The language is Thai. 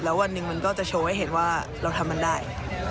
แล้ววันหนึ่งมันก็จะโชว์ให้เห็นว่าเราทำมันได้